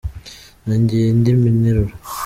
Nangiye indi nteruro.